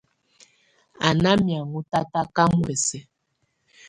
Á ná mɛ̀áŋɔ tataka muɛ̀sɛ.